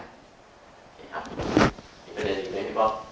ครับ